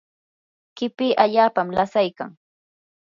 qipi allaapam lasaykan.